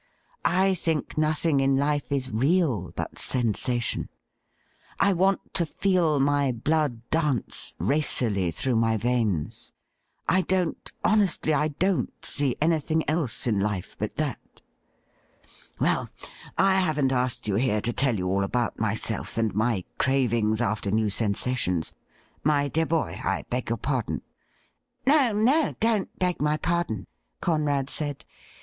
I think nothing in life is real but sensation. I want to feel my blood dance racily through my veins. I don't — ^honestly, I don't — see anything else in life but that. Well, I haven't asked you here to tell you all about myself, and my cravings after new sensations. My dear boy, I beg your pardon.' ' No, no, don't beg my pardon,' Conrad said.